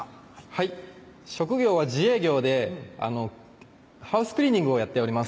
はい職業は自営業でハウスクリーニングをやっております